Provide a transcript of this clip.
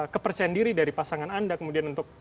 kepersendiri dari pasangan anda kemudian untuk